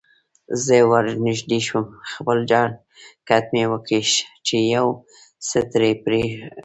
زه ورنژدې شوم، خپل جانکټ مې وکیښ چې یو څه ترې پرې کړم.